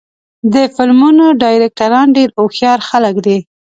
د فلمونو ډایرکټران ډېر هوښیار خلک دي.